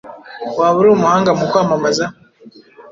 Waba uri umuhanga mu kwamamaza